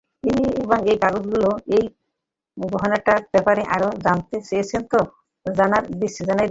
এবং এই কাগজগুলো ওই গহনাটার ব্যাপারে আরো যা জানতে পেরেছেন তা জানান দিচ্ছে।